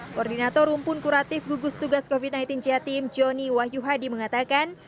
koordinator rumpun kuratif gugus tugas covid sembilan belas jatim joni wahyu hadi mengatakan